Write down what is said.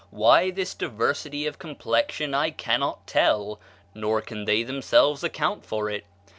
Why this diversity of complexion I cannot tell, nor can they themselves account for it.